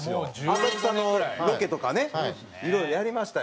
浅草のロケとかねいろいろやりましたよ。